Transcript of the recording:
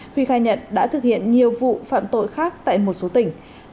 huy khai nhận đã thực hiện nhiều vụ phạm tội khác tại một số tỉnh